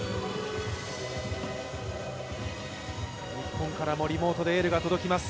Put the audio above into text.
日本からもリモートでエールが届きます。